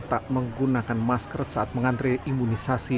tak menggunakan masker saat mengantre imunisasi